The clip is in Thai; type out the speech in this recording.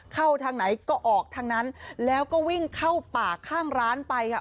เข้าทางไหนก็ออกทางนั้นแล้วก็วิ่งเข้าป่าข้างร้านไปค่ะ